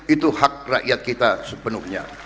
itu hak rakyat kita sepenuhnya